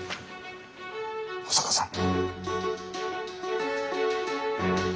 保坂さん。